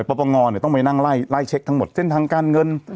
ปปงต้องไปนั่งไล่เช็คทั้งหมดเส้นทางการเงิน